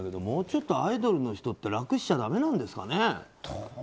もうちょっとアイドルの人って楽しちゃだめなんですかね。